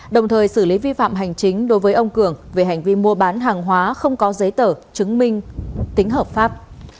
đồng thời xử lý vi phạm hành chính đối với ông cường về hành vi mua bán hàng hóa không có giấy tờ chứng minh tính hợp pháp